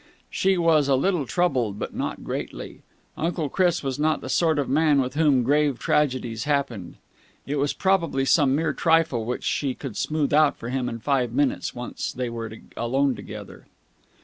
She was a little troubled, but not greatly. Uncle Chris was not the sort of man to whom grave tragedies happened. It was probably some mere trifle which she could smooth out for him in five minutes, once they were alone together.